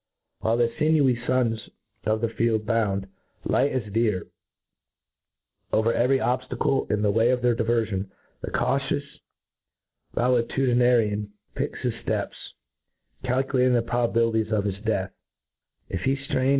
While the fi ncwy fons of the field bound,*light as the deer, over every obftacle in the way of their diverfion, the cautious valetudinarian picks his fl:eps, calcu r lating the probabilities of his deatli, if he ftram his MODERN FAULCONRY.